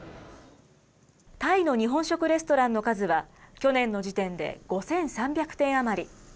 タイの日本食レストランの数は、去年の時点で５３００店余り。